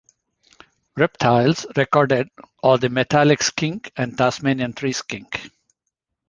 Reptiles recorded are the metallic skink and Tasmanian tree skink.